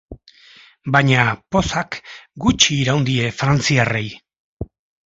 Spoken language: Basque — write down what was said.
Baina pozak gutxi iraun die frantziarrei.